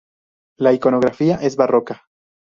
La iconografía es barroca.